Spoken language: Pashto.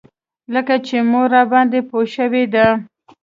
لکه چې مور راباندې پوه شوې ده.